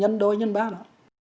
nhân ba đó